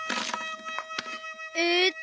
えっと